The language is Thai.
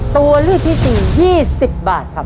ตัวเลือกที่สี่ยี่สิบบาทครับ